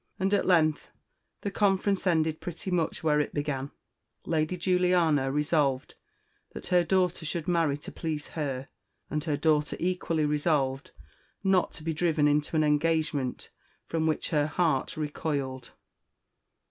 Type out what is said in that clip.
And at length the conference ended pretty much where it began Lady Juliana resolved that her daughter should marry to please her, and her daughter equally resolved not to be driven into an engagement from which her heart recoiled.